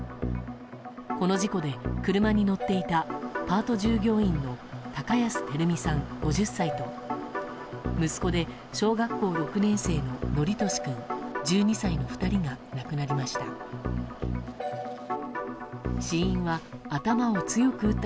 この事故で車に乗っていたパート従業員の高安照美さん、５０歳と息子で小学校６年生の規稔君、１２歳の２人が亡くなりました。